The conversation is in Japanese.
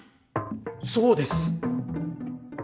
そうです！